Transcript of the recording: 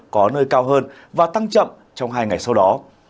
có nơi cao hơn và tăng chậm trong hai ngày sau đó